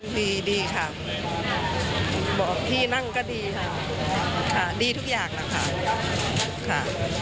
ดีดีค่ะบอกที่นั่งก็ดีค่ะดีทุกอย่างนะคะค่ะ